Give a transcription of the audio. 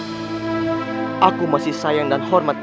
aku tidak akan mencari hukuman yang lebih baik dari anda